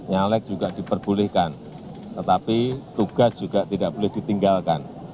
nyalek juga diperbolehkan tetapi tugas juga tidak boleh ditinggalkan